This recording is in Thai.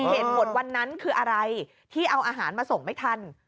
เหตุหมดวันนั้นคืออะไรที่เอาอาหารมาส่งไม่ทัน